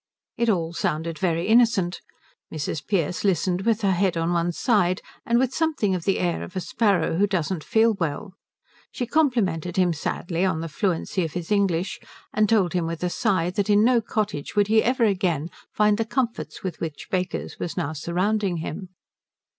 It all sounded very innocent. Mrs. Pearce listened with her head on one side and with something of the air of a sparrow who doesn't feel well. She complimented him sadly on the fluency of his English, and told him with a sigh that in no cottage would he ever again find the comforts with which Baker's was now surrounding him.